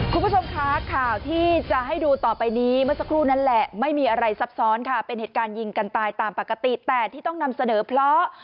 คุณผู้ชมคะข่าวที่จะให้ดูต่อไปนี้เมื่อสักครู่นั่นแหละไม่มีอะไรซับซ้อนค่ะเป็นเหตุการณ์ยิงกันตายตามปกติแต่ที่ต้องนำเสนอเพราะ